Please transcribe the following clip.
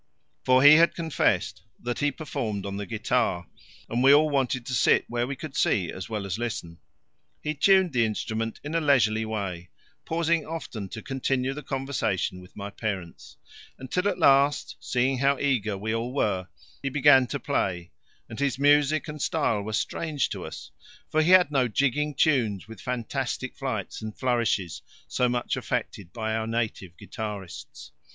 For he had confessed that he performed on the guitar, and we all wanted to sit where we could see as well as listen. He tuned the instrument in a leisurely way, pausing often to continue the conversation with my parents, until at last, seeing how eager we all were, he began to play, and his music and style were strange to us, for he had no jigging tunes with fantastic flights and flourishes so much affected by our native guitarists.